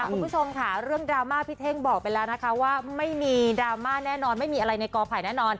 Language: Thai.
คุณผู้ชมค่ะเรื่องดราม่าพี่เท่งบอกไปแล้วนะคะว่าไม่มีดราม่าแน่นอนไม่มีอะไรในกอไผ่แน่นอน